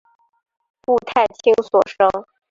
顾太清所生。